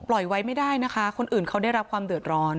ไว้ไม่ได้นะคะคนอื่นเขาได้รับความเดือดร้อน